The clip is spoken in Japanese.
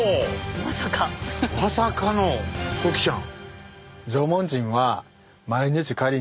まさかのゴキちゃん。